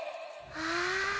ああ。